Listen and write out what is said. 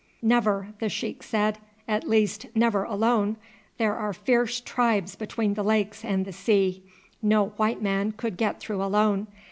"Never," the sheik said; "at least never alone. There are fierce tribes between the lakes and the sea. No white man could get through alone.